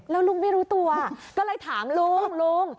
แล้วลุงไม่รู้ตัวก็เลยถามลุงลุง